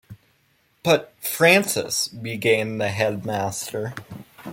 "But, Francis..." began the headmaster.